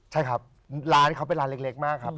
ใช่ครับร้านเขาเป็นร้านเล็กมากครับ